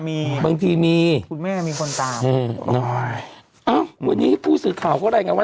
แม่มีบางทีมีคุณแม่มีคนตามเอออ่าววันนี้ผู้สื่อข่าวก็ได้ไงวะ